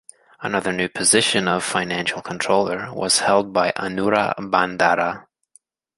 Another new position of Financial Controller was held by Anura Bandara.